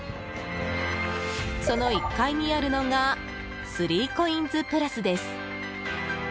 その１階にあるのがスリーコインズプラスです。